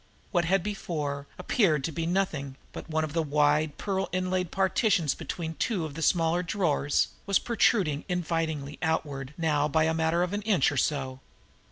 What had before appeared to be nothing but one of the wide, pearl inlaid partitions between two of the smaller drawers, was protruding invitingly outward now by the matter of an inch or so.